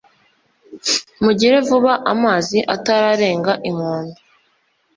mugire vuba amazi atarrenga inkombe